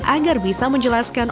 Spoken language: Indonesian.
agar bisa menjelaskan